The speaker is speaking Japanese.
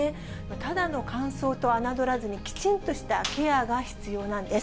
ただの乾燥と侮らずに、きちんとしたケアが必要なんです。